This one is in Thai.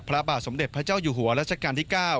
พระบาทสมเด็จพระเจ้าอยู่หัวรัชกาลที่๙